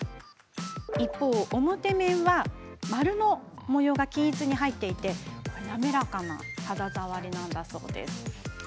一方の表面は丸の模様が均一に入っていて滑らかな肌触りなんだそうです。